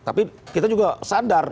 tapi kita juga sadar